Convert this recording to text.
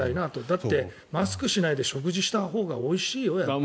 だって、マスクしないで食事したほうがおいしいよ、やっぱり。